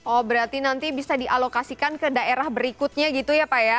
oh berarti nanti bisa dialokasikan ke daerah berikutnya gitu ya pak ya